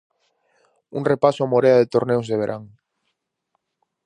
Un repaso á morea de torneos de verán.